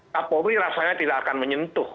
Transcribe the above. kapolri rasanya tidak akan menyentuh